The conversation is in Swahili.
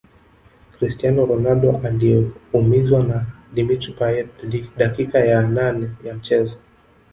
cristiano ronaldo aliumizwa na dimitr payet dakika ya nane ya mchezo